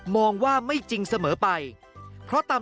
กลับวันนั้นไม่เอาหน่อย